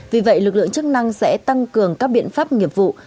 vì vậy lực lượng chức năng sẽ tăng cường các biện pháp nghiệp vụ